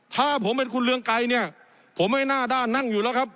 ถ้าผมเป็นคุณเรืองไกรเนี่ยผมไม่หน้าด้านนั่งอยู่แล้วครับ